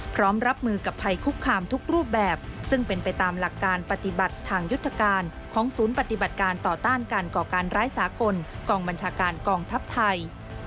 พร้อมรับมือกับภัยคุกคามทุกรูปแบบซึ่งเป็นไปตามหลักการปฏิบัติทางยุทธการของศูนย์ปฏิบัติการต่อต้านการก่อการร้ายสากลกองบัญชาการกองทัพไทย